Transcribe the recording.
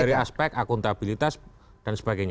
dari aspek akuntabilitas dan sebagainya